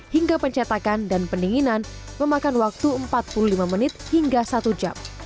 hingga pencetakan dan pendinginan memakan waktu empat puluh lima menit hingga satu jam